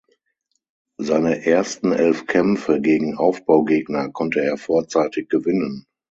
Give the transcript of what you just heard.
Seine ersten elf Kämpfe gegen Aufbaugegner konnte er vorzeitig gewinnen.